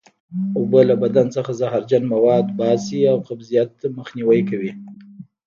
اوبه له بدن څخه زهرجن مواد وباسي او قبضیت مخنیوی کوي